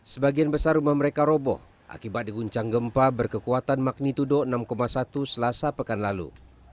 sebagian besar rumah mereka roboh akibat diguncang gempa berkekuatan magnitudo enam satu selasa pekan lalu